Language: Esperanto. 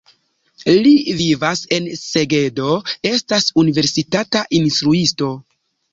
Li vivas en Segedo, estas universitata instruisto.